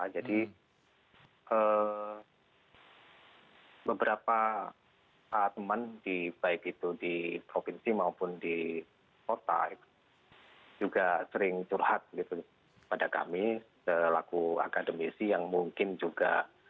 jadi beberapa teman baik itu di provinsi maupun di kota juga sering curhat pada kami selaku akademisi yang mungkin juga